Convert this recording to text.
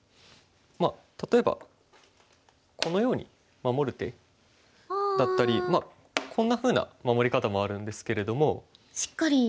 まあ例えばこのように守る手だったりまあこんなふうな守り方もあるんですけれども。